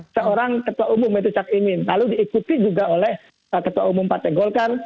seorang ketua umum yaitu cak imin lalu diikuti juga oleh ketua umum partai golkar